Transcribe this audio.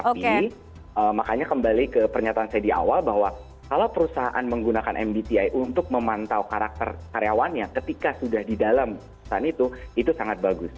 tapi makanya kembali ke pernyataan saya di awal bahwa kalau perusahaan menggunakan mbti untuk memantau karakter karyawannya ketika sudah di dalam perusahaan itu itu sangat bagus